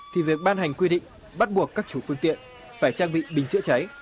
thì việc ban hành quy định bắt buộc các chủ phương tiện phải trang bị bình chữa cháy